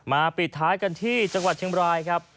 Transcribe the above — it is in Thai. ปิดท้ายกันที่จังหวัดเชียงบรายครับ